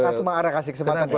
mas ma'ara kasih kesempatan